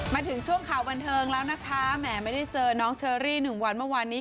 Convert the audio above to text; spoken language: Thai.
มาถึงช่วงข่าวบันเทิงแล้วนะคะแหมไม่ได้เจอน้องเชอรี่หนึ่งวันเมื่อวานนี้